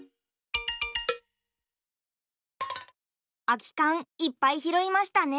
あきかんいっぱいひろいましたね。